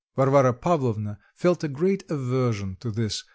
Varvara Pavlovna felt a great aversion to this M.